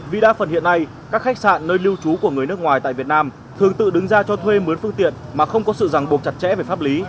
vì đa phần hiện nay các khách sạn nơi lưu trú của người nước ngoài tại việt nam thường tự đứng ra cho thuê mướn phương tiện mà không có sự ràng buộc chặt chẽ về pháp lý